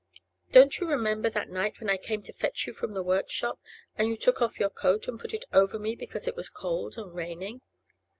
Don't you remember that night when I came to fetch you from the workshop, and you took off your coat and put it over me, because it was cold and raining?